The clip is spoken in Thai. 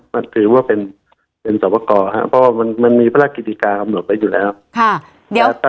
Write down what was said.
มันถือว่าเป็นสอปอกอเพราะว่ามันมีภาระกิจกรรมออกไปอยู่แล้ว